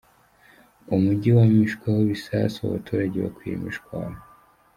Umujyi wamishweho ibisasu, abaturage bakwira imishwaro